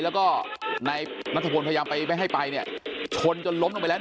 แล้วก็นายนทธพลพยายามไปแต่ไม่ให้ไปชนจนล้มออกไปแล้ว